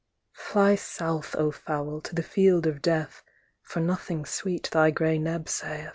Fly south, O fowl, to the field of death For nothing sweet thy grey neb saith.